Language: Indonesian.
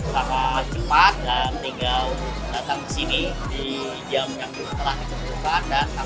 sangat cepat dan tinggal datang ke sini di jam yang telah ditentukan